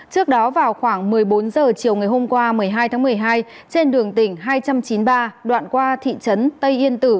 trước đó vào khoảng một mươi bốn h chiều ngày hôm qua một mươi hai tháng một mươi hai trên đường tỉnh hai trăm chín mươi ba đoạn qua thị trấn tây yên tử